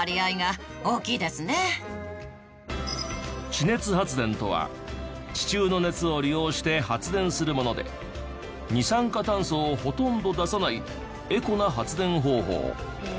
地熱発電とは地中の熱を利用して発電するもので二酸化炭素をほとんど出さないエコな発電方法。